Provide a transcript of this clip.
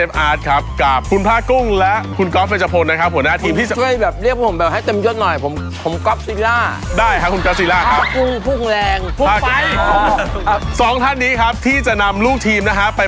ไม่ครับผมจะป้อนพี่ชายผมก็จะป้อนพี่ชาย